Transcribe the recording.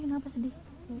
kenapa sedih kenapa sayang